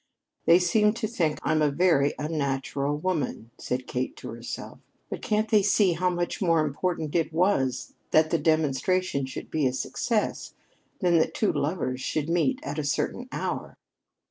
"They seem to think I'm a very unnatural woman," said Kate to herself. "But can't they see how much more important it was that the demonstration should be a success than that two lovers should meet at a certain hour?"